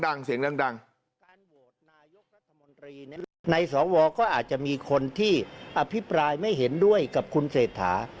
ในสอวรก็อาจจะมีคนที่อภิปรายไม่เห็นด้วยกับคุณเศรษฐา